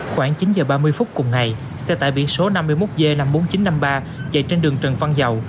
khoảng chín h ba mươi phút cùng ngày xe tải biển số năm mươi một g năm mươi bốn nghìn chín trăm năm mươi ba chạy trên đường trần văn dầu